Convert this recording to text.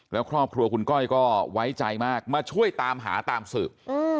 แล้วครอบครัวคุณก้อยก็ไว้ใจมากมาช่วยตามหาตามสืบ